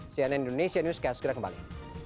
cnn indonesia news quest segera kembali